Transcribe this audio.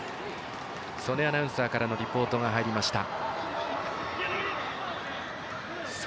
曽根アナウンサーからのリポートが入りました。